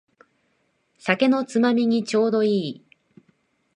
酒のつまみにちょうどいい